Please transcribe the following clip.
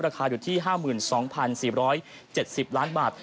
ราคาอยู่ที่๕๒๔๗๐ล้านบาท